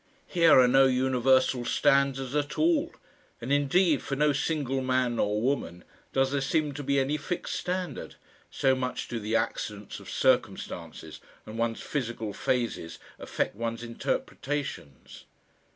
Here are no universal standards at all, and indeed for no single man nor woman does there seem to be any fixed standard, so much do the accidents of circumstances and one's physical phases affect one's interpretations.